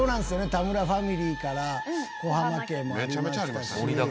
田村ファミリーから小濱家もありましたし。